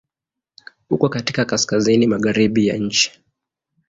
Uko katika kaskazini-magharibi ya nchi.